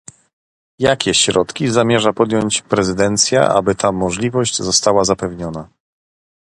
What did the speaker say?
Jakie środki zamierza podjąć prezydencja, aby ta możliwość została zapewniona?